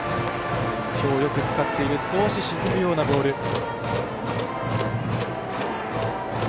今日よく使っている少し沈むようなボール。